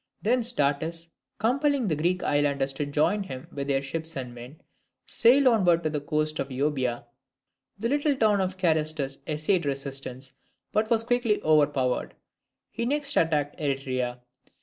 Thence Datis, compelling the Greek islanders to join him with their ships and men, sailed onward to the coast of Euboea. The little town of Carystus essayed resistance, but was quickly overpowered. He next attacked Eretria.